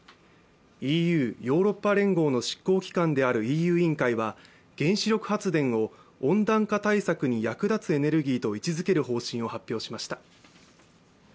ＥＵ＝ヨーロッパ連合の執行機関であるＥＵ委員会は原子力発電を温暖化対策に役立つエネルギーと位置づける方針を発表しました。